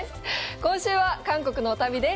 今週は韓国の旅です。